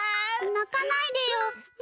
なかないでよ。